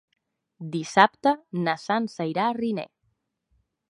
Dissabte na Sança irà a Riner.